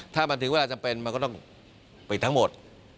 ถ้ามันถึงเวลาจำเป็นมันก็ต้องปิดทั้งหมด